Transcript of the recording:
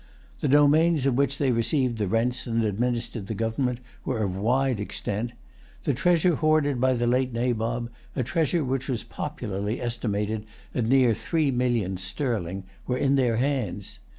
The domains of which they received the rents and administered the government were of wide extent. The treasure hoarded by the late Nabob, a treasure which was popularly estimated at near three millions sterling, was in their hands.